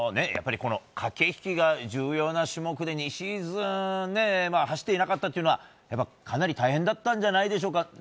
やっぱり駆け引きが重要な種目で２シーズン走っていなかったというのはかなり大変だったんじゃないでしょうか。